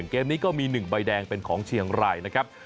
เกมนี้ก็มี๑ใบแดงเป็นของเชียงรายนะครับ